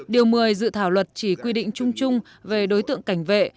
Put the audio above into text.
điều một mươi dự thảo luật chỉ quy định chung chung về đối tượng cảnh vệ